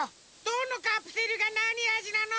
どのカプセルがなにあじなの？